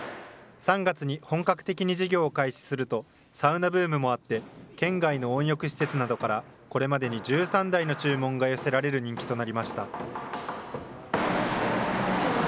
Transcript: ３月に本格的に事業を開始すると、サウナブームもあって、県外の温浴施設などからこれまで１３台の注文が寄せられる人気となりました。